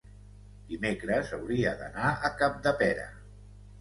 Dimecres hauria d'anar a Capdepera.